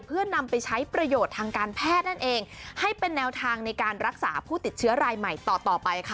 เพื่อนำไปใช้ประโยชน์ทางการแพทย์นั่นเองให้เป็นแนวทางในการรักษาผู้ติดเชื้อรายใหม่ต่อต่อไปค่ะ